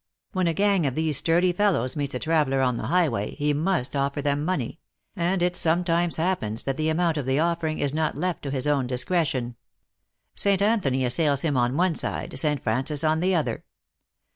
When a gang of these sturdy fellows meets a traveler on the highway, he must offer them money ; and it sometimes happens that the amount of the offering is not left to his own discretion. St. Anthony assails him on one side, St. Francis on the other.